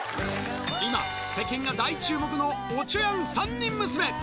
今、世間が大注目のおちょやん３人娘。